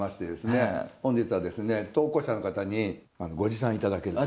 本日は投稿者の方にご持参頂けると。